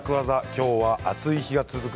今日は暑い日が続く